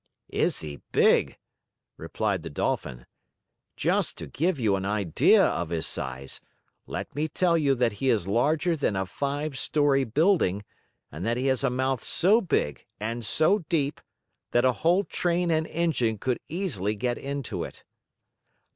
"Is he big?" replied the Dolphin. "Just to give you an idea of his size, let me tell you that he is larger than a five story building and that he has a mouth so big and so deep, that a whole train and engine could easily get into it."